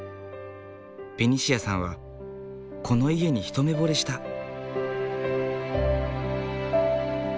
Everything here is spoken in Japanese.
ベニシアさんはこの家に一目ぼれした。